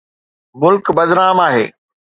ملڪ بدنام آهي.